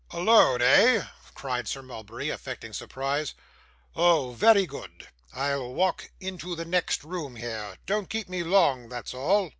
'Alone, eh?' cried Sir Mulberry, affecting surprise. 'Oh, very good. I'll walk into the next room here. Don't keep me long, that's all.